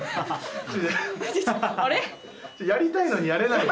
やりたいのにやれないよ。